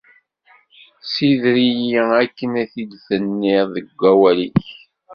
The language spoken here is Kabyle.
Ssider-iyi akken i t-id-tenniḍ deg wawal-ik.